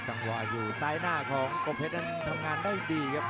รอจังหวังอยู่ซ้ายหน้าของบุปริญญาจาบนั่นทำงานได้ดีครับ